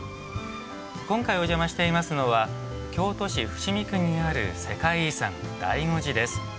今回、お邪魔していますのは京都市伏見区にある世界遺産醍醐寺です。